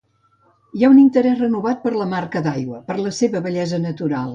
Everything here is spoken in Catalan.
Hi ha un interès renovat per la marca d'aigua, per la seva bellesa natural.